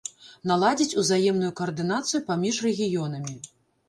Наладзіць узаемную каардынацыю паміж рэгіёнамі.